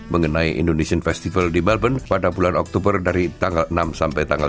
mengenai indonesian festival di melbourne pada bulan oktober dari tanggal enam sampai tanggal